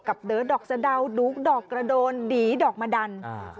เดอดอกสะดาวดูดอกกระโดนดีดอกมะดัน